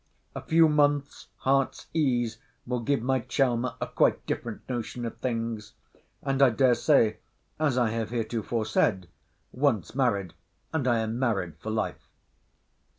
A few months' heart's ease will give my charmer a quite different notion of things: and I dare say, as I have heretofore said,* once married, and I am married for life.